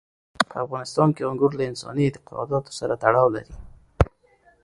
په افغانستان کې انګور له انساني اعتقاداتو سره تړاو لري.